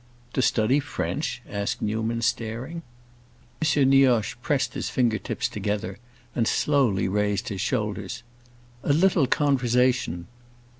"To study French?" asked Newman, staring. M. Nioche pressed his finger tips together and slowly raised his shoulders. "A little conversation!"